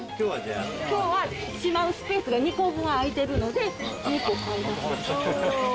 きょうは、しまうスペース２個分空いてるので、２個買い足す。